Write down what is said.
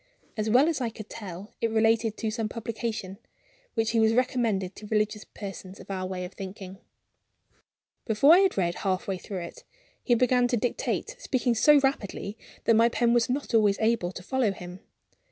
As well as I could tell, it related to some publication, which he was recommending to religious persons of our way of thinking. Before I had read half way through it, he began to dictate, speaking so rapidly that my pen was not always able to follow him.